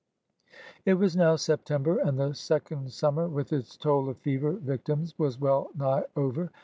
It was now September and the second sunmier with its toll of fever victims was well nigh over.